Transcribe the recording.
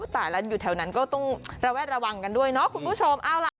สายันอยู่แถวนั้นก็ต้องระแวดระวังกันด้วยเนาะคุณผู้ชมเอาล่ะ